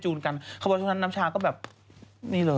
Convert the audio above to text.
จูนกันเขาบอกว่าตอนนั้นน้ำชาก็แบบนี่เลย